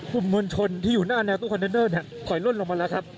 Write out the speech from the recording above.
มวลชนที่อยู่หน้าแนวตู้คอนเทนเนอร์ถอยล่นลงมาแล้วครับ